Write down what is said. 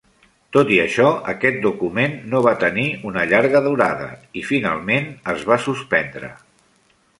Tot i això, aquest document no va tenir una llarga durada i, finalment, es va suspendre.